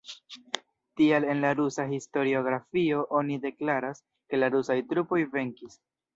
Tial en la rusa historiografio oni deklaras, ke la rusaj trupoj "venkis".